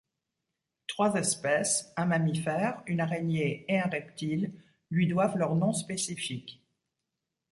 Trois espèces, un mammifère, une araignée et un reptile, lui doivent leurs noms spécifiques.